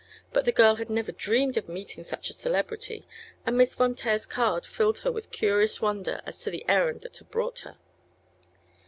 But the girl had never dreamed of meeting such a celebrity, and Miss Von Taer's card filled her with curious wonder as to the errand that had brought her.